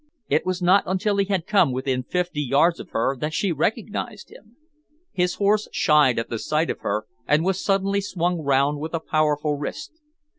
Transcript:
It was not until he had come within fifty yards of her that she recognised him. His horse shied at the sight of her and was suddenly swung round with a powerful wrist.